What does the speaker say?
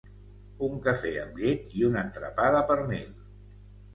Un café amb llet i un entrepà de pernil.